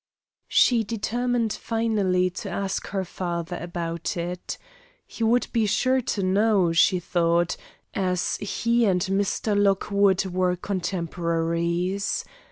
She determined finally to ask her father about it. He would be sure to know, she thought, as he and Mr. Lockwood were contemporaries.